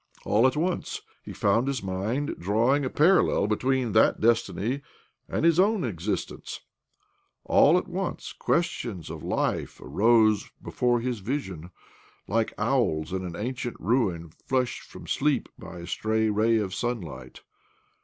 All at once he found his mind drawing a parallel between that destiny and his own existence ; all at once questions of life arose before his vision, like owls in an ancient ruin flushed from sleep by a stray ray of sunlight.